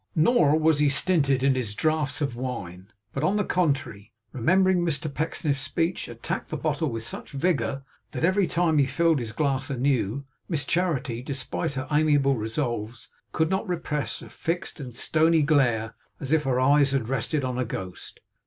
Nor was he stinted in his draughts of wine; but on the contrary, remembering Mr Pecksniff's speech, attacked the bottle with such vigour, that every time he filled his glass anew, Miss Charity, despite her amiable resolves, could not repress a fixed and stony glare, as if her eyes had rested on a ghost.